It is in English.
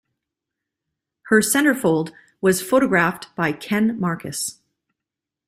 Her centerfold was photographed by Ken Marcus.